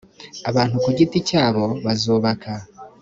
abantu ku giti cyabo bazubaka